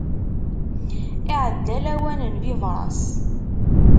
Iɛedda lawan n bibras.